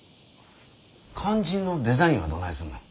肝心のデザインはどないすんの？